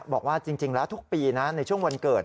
บอกว่าจริงแล้วทุกปีนะในช่วงวันเกิด